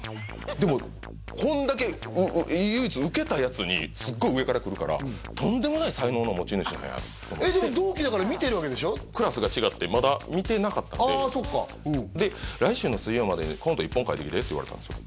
でもこんだけ唯一ウケたやつにすっごい上からくるからとんでもない才能の持ち主なんやえっでも同期だから見てるでしょクラスが違ってまだ見てなかったで「来週の水曜までにコント１本書いてきて」って言われたんですよ